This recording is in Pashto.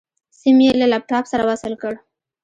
سيم يې له لپټاپ سره وصل کړ.